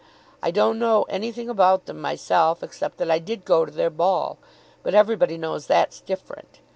I don't know anything about them myself, except that I did go to their ball. But everybody knows that's different.